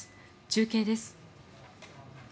中継です。